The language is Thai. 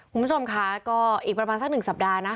คุณผู้ชมคะก็อีกประมาณสัก๑สัปดาห์นะ